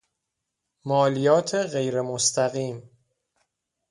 مالیات غیرمستقیم